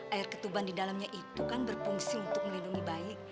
air ketuban di dalamnya itu kan berfungsi untuk melindungi bayi